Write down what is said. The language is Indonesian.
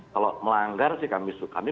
kalau melanggar sih kami